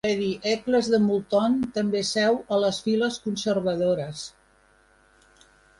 Lady Eccles de Moulton també seu a les files conservadores.